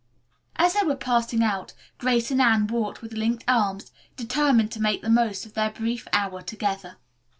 As they were passing out, Grace and Anne walked with linked arms, determined to make the most of their brief hour together.